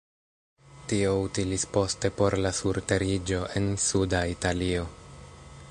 Tio utilis poste por la surteriĝo en suda Italio.